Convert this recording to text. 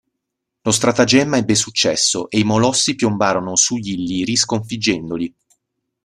Lo stratagemma ebbe successo e i Molossi piombarono sugli Illiri sconfiggendoli.